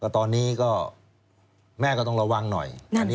ตอนนี้ก็แม่ก็ต้องระวังหน่อย